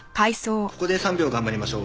ここで３秒頑張りましょう。